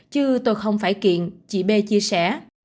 chứ tôi không phải kiện chị b chia sẻ